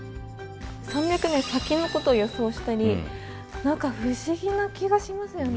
３００年先のことを予想したり何か不思議な気がしますよね。